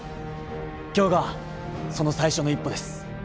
今日がその最初の一歩です。